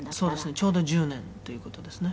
ちょうど１０年という事ですね」